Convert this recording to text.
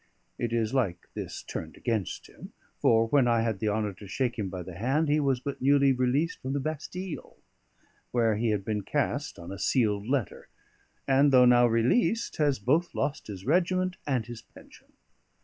It is like this turned against him; for when I had the honour to shake him by the hand, he was but newly released from the Bastille, where he had been cast on a sealed letter; and, though now released, has both lost his regiment and his pension.